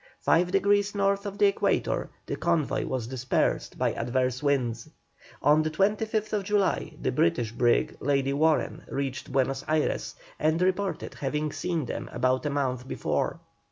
Five degrees north of the equator the convoy was dispersed by adverse winds. On the 25th July the British brig Lady Warren reached Buenos Ayres, and reported having seen them about a month before.